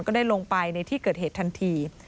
ได้ลงไปในที่เกิดเหตุทันที